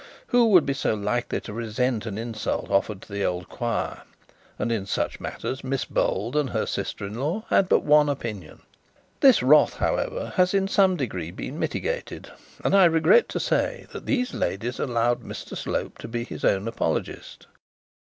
Who would be so likely to resent an insult offered to the old choir? And in such matters Miss Bold and her sister in law had but one opinion. This wrath, however, has in some degree been mitigated, and I regret to say that these ladies allowed Mr Slope to be his own apologist.